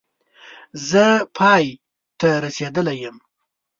زه پای ته رسېدلی یم